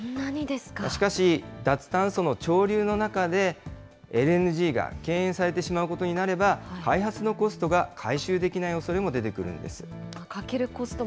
しかし、脱炭素の潮流の中で、ＬＮＧが敬遠されてしまうことになれば、開発のコストが回収できないおそれも出てくるんです。